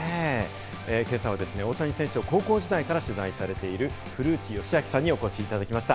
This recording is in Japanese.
今朝は大谷選手を高校時代から取材されている古内義明さんにお越しいただきました。